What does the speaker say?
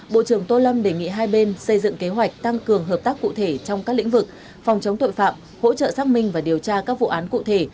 bộ trưởng tô lâm đề nghị hai bên xây dựng kế hoạch tăng cường hợp tác cụ thể trong các lĩnh vực phòng chống tội phạm hỗ trợ xác minh và điều tra các vụ án cụ thể